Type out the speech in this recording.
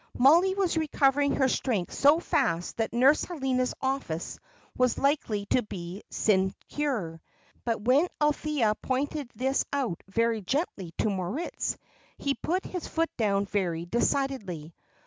Mollie was recovering her strength so fast that Nurse Helena's office was likely to be a sinecure. But when Althea pointed this out very gently to Moritz, he put his foot down very decidedly.